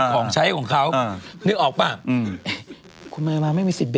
ของใช้ของเขามี